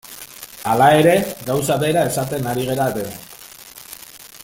Hala ere, gauza bera esaten ari gara denok.